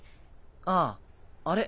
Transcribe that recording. あああれ？